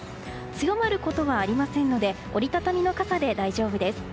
強まることはありませんので折り畳みの傘で大丈夫です。